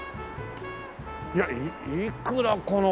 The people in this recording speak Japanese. いやいくらこの。